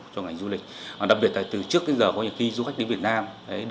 cho ngành du lịch đặc biệt là từ trước đến giờ có nhiều khi du khách đến việt nam